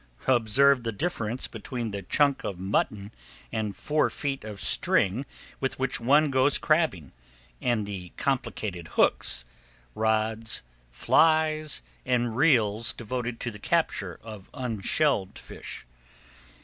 Observe the difference between the chunk of mutton and four feet of string with which one goes crabbing, and the complicated hooks, rods, flies, and reels devoted to the capture of unshelled fish.